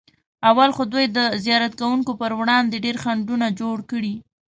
اول خو دوی د زیارت کوونکو پر وړاندې ډېر خنډونه جوړ کړي.